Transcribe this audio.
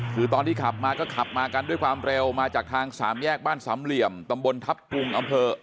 คือตอนที่ขับมาก็ขับมากันด้วยความเร็วมาจากทางสามแยกบ้านสามเหลี่ยมตำบลทัพกรุงอำเภอ